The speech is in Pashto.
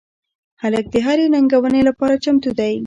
هلک د هرې ننګونې لپاره چمتو دی.